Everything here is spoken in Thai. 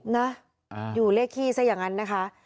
นะอยู่เลขขี้ซะอย่างนั้นนะคะ